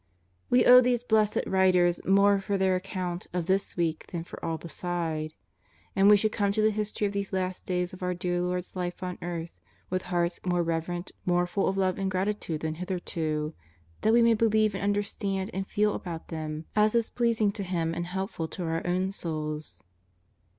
We owe these blessed writers more for their account of this week than for all beside. And we should come to the history of these last days of our dear Lord's Life on earth with hearts more reverent, more full of love and gratitude than hitherto, that we may believe and understand and feel about them as is pleasing to Him and helpful to our own souls.